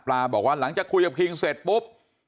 บอกว่าหลังจากคุยกับคิงเสร็จปุ๊บ